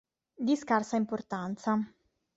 Di scarsa importanza.